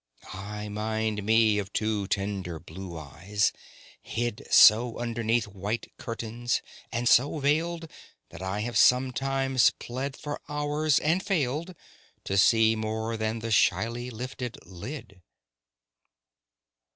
(I mind me of two tender blue eyes, hid So underneath white curtains, and so veiled That I have sometimes plead for hours, and failed To see more than the shyly lifted lid.)